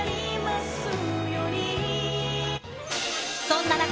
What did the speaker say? そんな中、